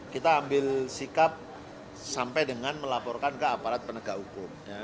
kita ambil sikap sampai dengan melaporkan ke aparat penegak hukum